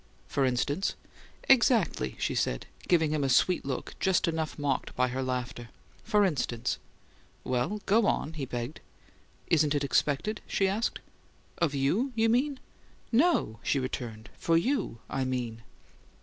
"For instance?" "Exactly!" she said, giving him a sweet look just enough mocked by her laughter. "For instance!" "Well, go on," he begged. "Isn't it expected?" she asked. "Of you, you mean?" "No," she returned. "For you, I mean!"